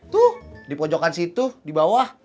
tuh di pojokan situ di bawah